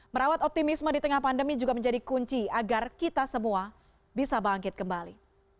merawat optimisme di tengah pandemi juga menjadi kunci agar kita semua bisa bangkit kembali